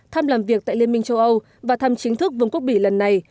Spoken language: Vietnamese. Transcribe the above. thăm làm việc tại liên minh châu âu và thăm chính thức vương quốc bỉ lần này